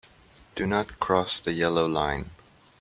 Do not cross the yellow line.